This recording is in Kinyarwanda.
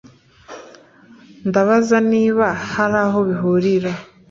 Ndabaza niba hari aho bihurira